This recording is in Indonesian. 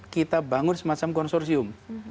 kita bangun semacam konsorsium